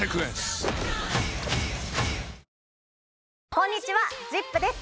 こんにちは『ＺＩＰ！』です